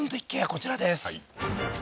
こちらです